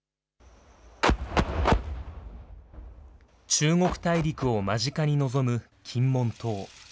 中国大陸を間近に望む金門島。